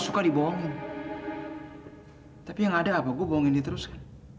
suka diboong hai tapi yang ada apa gue bohong ini terus ya